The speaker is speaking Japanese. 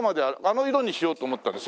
あの色にしようと思ったの？